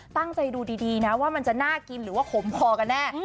ตั้งใจดูดีนะว่ามันจะน่ากินหรือว่าขมคอกันแน่